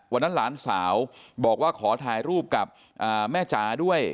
หลานสาวบอกว่าขอถ่ายรูปกับแม่จ๋าด้วย